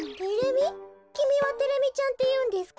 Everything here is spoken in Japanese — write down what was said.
きみはテレミちゃんっていうんですか？